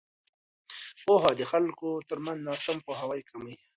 پوهه د خلکو ترمنځ ناسم پوهاوی کموي.